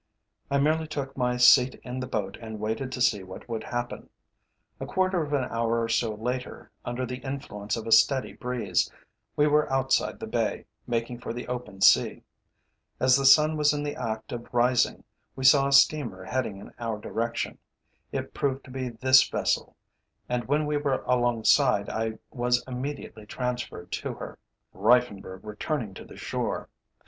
I merely took my seat in the boat and waited to see what would happen. A quarter of an hour or so later, under the influence of a steady breeze, we were outside the Bay, making for the open sea. As the sun was in the act of rising, we saw a steamer heading in our direction. It proved to be this vessel, and when we were alongside, I was immediately transferred to her, Reiffenburg returning to the shore.